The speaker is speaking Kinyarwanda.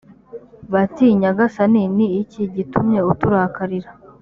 bati nyagasani ni iki gitumye uturakarira‽